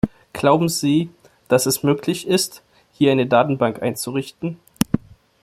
Glauben Sie, dass es möglich ist, hier eine Datenbank einzurichten?